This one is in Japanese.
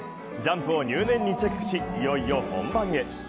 ジャンプを入念にチェックし、いよいよ本番へ。